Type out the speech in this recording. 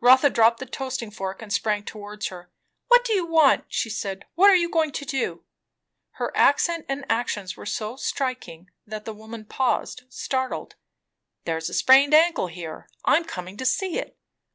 Rotha dropped the toasting fork and sprang towards her. "What do you want?" she said. "What are you going to do?" Her accent and action were so striking, that the woman paused, startled. "There's a sprained ankle here I'm coming to see it."